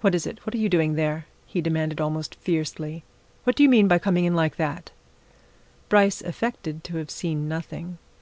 "What is it? what are you doing there?" he demanded almost fiercely. "What do you mean by coming in like that?" Bryce affected to have seen nothing.